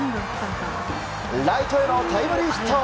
ライトへのタイムリーヒット！